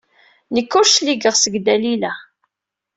Nekk ur d-cligeɣ seg Dalila.